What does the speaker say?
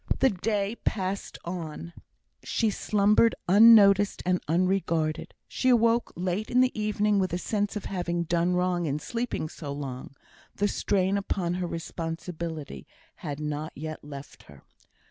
The day passed on; she slumbered unnoticed and unregarded; she awoke late in the evening with a sense of having done wrong in sleeping so long; the strain upon her responsibility had not yet left her.